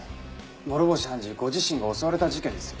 諸星判事ご自身が襲われた事件ですよ？